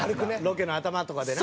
ロケの頭とかでな。